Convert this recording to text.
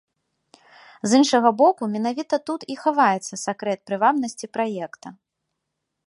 З іншага боку, менавіта тут і хаваецца сакрэт прывабнасці праекта.